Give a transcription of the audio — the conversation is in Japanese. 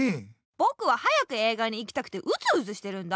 ぼくは早く映画に行きたくてうずうずしてるんだ。